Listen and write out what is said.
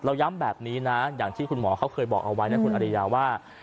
ย้ำแบบนี้นะอย่างที่คุณหมอเขาเคยบอกเอาไว้นะคุณอริยาว่า